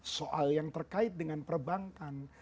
soal yang terkait dengan perbankan